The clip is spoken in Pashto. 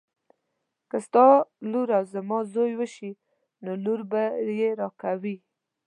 که ستا لور او زما زوی وشي نو لور به یې راکوي.